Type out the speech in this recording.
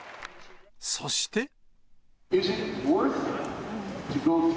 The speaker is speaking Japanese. そして。